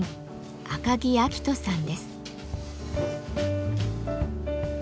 赤木明登さんです。